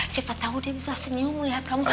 siapa tahu dia bisa senyum melihat kamu